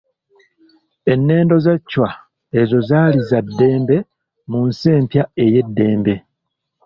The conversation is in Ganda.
Ennendo za Chwa ezo zaali za ddembe mu nsi empya ey'eddembe.